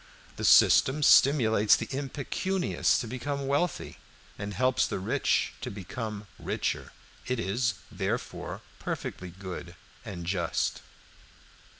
The system stimulates the impecunious to become wealthy and helps the rich to become richer. It is, therefore, perfectly good and just.